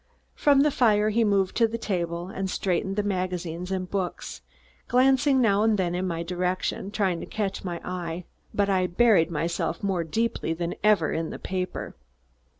From the fire, he moved to the table and straightened the magazines and books, glancing now and then in my direction, trying to catch my eye, but I buried myself more deeply than ever in the paper.